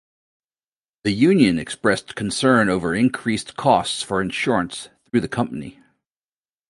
The union expressed concern over increased costs for insurance through the company.